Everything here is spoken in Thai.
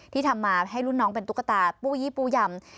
ที่ทำมาให้รุ่นน้องเป็นตุ๊กตาปู้ยี่ปู้ยำ